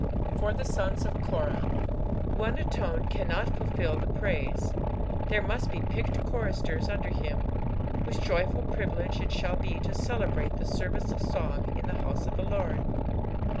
For the Sods o( Korab. One alone cannot futJU the prtdM, there must be picked choristers under him, whose joiifal privilege it shall be to cdebraU the ssrrice cf song in the house cf the Lord.